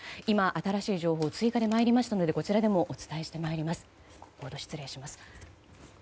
今、新しい情報が追加で出てまいりましたのでこちらでもお伝えします。